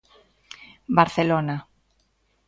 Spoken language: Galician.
Barcelona.